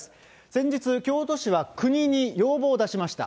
先日、京都市は国に要望を出しました。